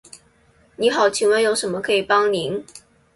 您好，请问有什么可以帮您？